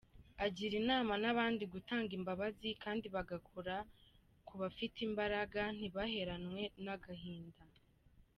Agira inama n’abandi gutanga imbabazi kandi bagakora ku bafite imbaraga, ntibaheranwe n’agahinda.